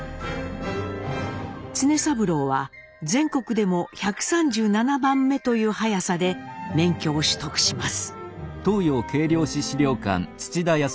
常三郎は全国でも１３７番目という早さで免許を取得します。